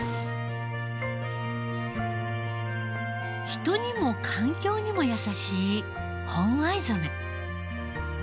人にも環境にも優しい本藍染。